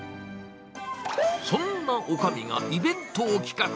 そんなおかみがイベントを企画。